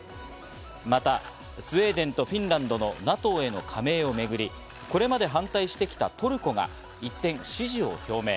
またスウェーデンとフィンランドのＮＡＴＯへの加盟をめぐり、これまで反対してきたトルコが一転、支持を表明。